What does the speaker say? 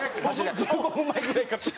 １５分前ぐらいから。